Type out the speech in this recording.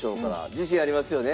自信ありますよね？